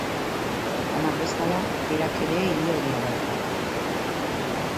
Amak bezala, berak ere ile horia dauka.